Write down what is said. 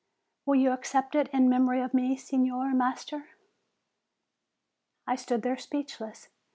Will you accept it in memory of me, Signor Master?' "I stood there speechless.